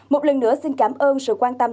một lần nữa xin cảm ơn sự quan tâm